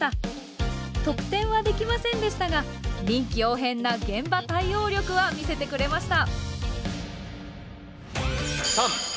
得点はできませんでしたが臨機応変な現場対応力は見せてくれました。